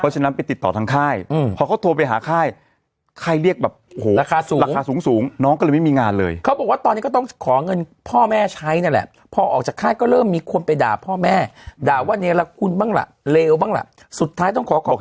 ฉะนั้นไปติดต่อทางค่ายพอเขาโทรไปหาค่ายค่ายเรียกแบบโอ้โหราคาสูงราคาสูงสูงน้องก็เลยไม่มีงานเลยเขาบอกว่าตอนนี้ก็ต้องขอเงินพ่อแม่ใช้นั่นแหละพอออกจากค่ายก็เริ่มมีคนไปด่าพ่อแม่ด่าว่าเนรคุณบ้างล่ะเลวบ้างล่ะสุดท้ายต้องขอขอ